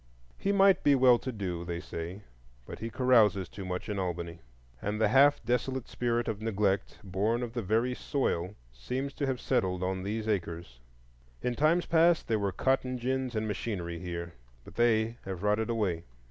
He might be well to do, they say; but he carouses too much in Albany. And the half desolate spirit of neglect born of the very soil seems to have settled on these acres. In times past there were cotton gins and machinery here; but they have rotted away.